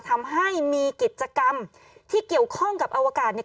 ทำให้มีกิจกรรมที่เกี่ยวข้องกับอวกาศเนี่ย